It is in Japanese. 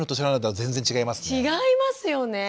違いますよね。